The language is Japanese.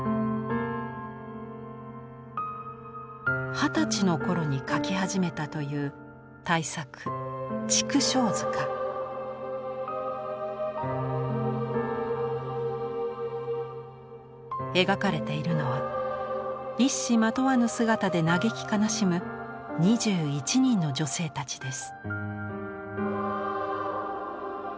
二十歳の頃に描き始めたという大作描かれているのは一糸まとわぬ姿で嘆き悲しむ２１人の女性たちです。